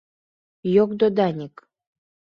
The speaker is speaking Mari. - йогдо Даник.